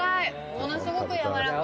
ものすごくやわらかい！」